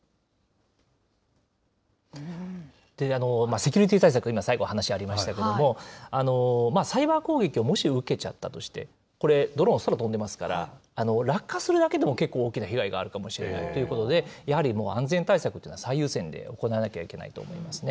セキュリティー対策、今、最後、話ありましたけれども、サイバー攻撃をもし受けちゃったとして、これ、ドローン、空飛んでますから、落下するだけでも結構、大きな被害があるかもしれないということで、やはり、安全対策というのは最優先で行わなきゃいけないと思いますね。